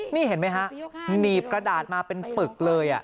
นี่เห็นไหมฮะหนีบกระดาษมาเป็นปึกเลย